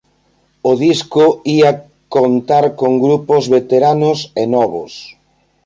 O disco ía contar con grupos veteranos e novos.